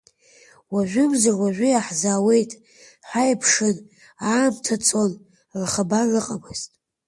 Уажәымзар уажәы иаҳзаауеит ҳәа иԥшын, аамҭа цон, рхабар ыҟамызт.